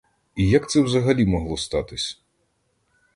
І як це взагалі могло статись?